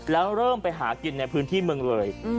แล้วเริ่มไปหากินในพื้นที่เมืองเลย